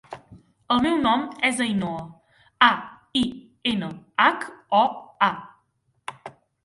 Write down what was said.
El meu nom és Ainhoa: a, i, ena, hac, o, a.